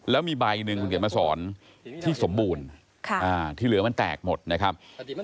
แล้วมีใบหนึ่งคุณเขียนมาสอนที่สมบูรณ์ที่เหลือมันแตกหมดนะครับ